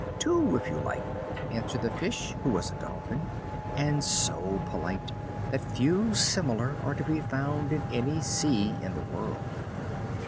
"Two if you like," answered the fish, who was a Dolphin, and so polite that few similar are to be found in any sea in the world.